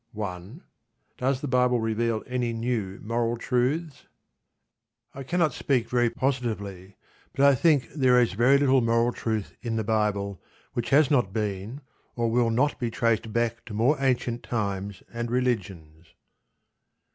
1. Does the Bible reveal any new moral truths? I cannot speak very positively, but I think there is very little moral truth in the Bible which has not been, or will not be traced back to more ancient times and religions.